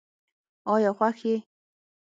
آیا خوښ یې؟